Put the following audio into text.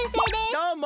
どうも！